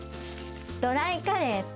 ドライカレーと、